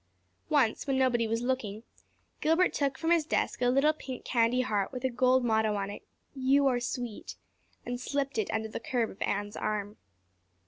Once, when nobody was looking, Gilbert took from his desk a little pink candy heart with a gold motto on it, "You are sweet," and slipped it under the curve of Anne's arm.